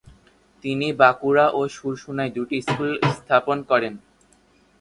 তিনি বাঁকুড়া ও শুরশুনায় দুটি স্কুল স্থাপন করেন।